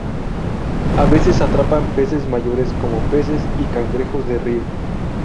A veces atrapan presas mayores como peces y cangrejos de río.